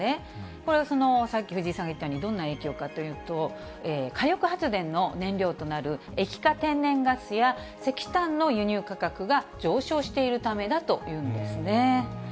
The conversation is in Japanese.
これはさっき藤井さんが言ったように、どんな影響かというと、火力発電の燃料となる液化天然ガスや石炭の輸入価格が上昇しているためだというんですね。